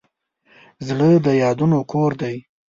زړه د یادونو کور دی.